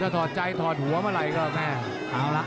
ติดตามยังน้อยกว่า